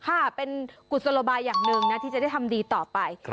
ค่ะเป็นกุศโลบายอย่างหนึ่งนะที่จะได้ทำดีต่อไป